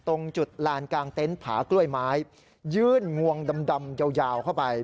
โอ้โหเขาอายุเยอะแล้วนะอายุ๓๐ปี